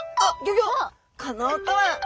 この音は！